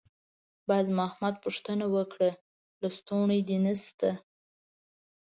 باز محمد پوښتنه وکړه: «لستوڼی دې نشته؟»